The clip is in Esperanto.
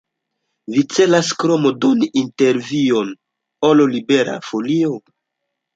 Vi celas krom doni intervjuon al Libera Folio?